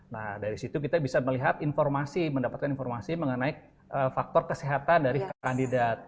nah dari situ kita bisa melihat informasi mendapatkan informasi mengenai faktor kesehatan dari kandidat